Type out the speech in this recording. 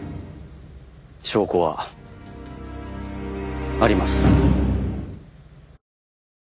証拠はあります。